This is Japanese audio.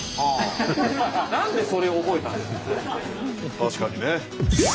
確かにね。